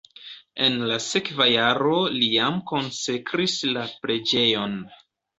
En la sekva jaro li jam konsekris la preĝejon.